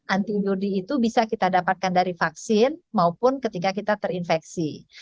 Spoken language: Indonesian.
antibody itu bisa kita dapatkan dari vaksin maupun ketika kita terinfeksi